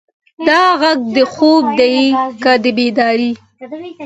دا غږ د خوب دی که د بیدارۍ؟